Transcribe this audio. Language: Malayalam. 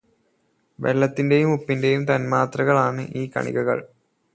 വെള്ളത്തിന്റെയും ഉപ്പിന്റെയും തൻമാത്രകൾ ആണ് ഈ കണികകൾ.